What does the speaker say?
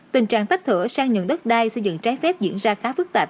tình trạng tách thửa sang nhận đất đai xây dựng trái phép diễn ra khá phức tạp